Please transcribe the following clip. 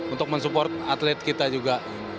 untuk mensupport atlet kita juga